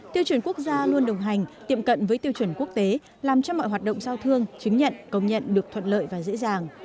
tiêu chuẩn quốc gia luôn đồng hành tiệm cận với tiêu chuẩn quốc tế làm cho mọi hoạt động giao thương chứng nhận công nhận được thuận lợi và dễ dàng